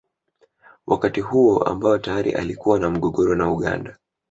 Wakati huo ambao tayari alikuwa na mgogoro na Uganda